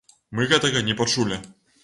Мы гэтага не пачулі!